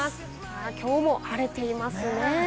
きょうも晴れていますね。